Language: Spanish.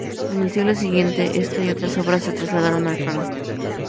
En el siglo siguiente, esta y otras obras se trasladaron al Prado.